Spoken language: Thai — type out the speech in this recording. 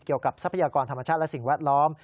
เกี่ยวกับทรัพยากรธรรมชาติและสิ่งแวดล้อม